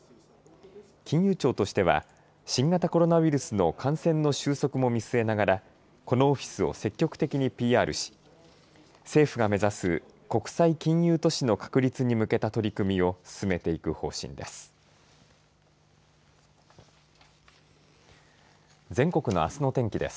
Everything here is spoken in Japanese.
金融庁としては新型コロナウイルスの感染の収束も見据えながらこのオフィスを積極的にＰＲし政府が目指す国際金融都市の確立に向けた取り組みを進めていく方針です。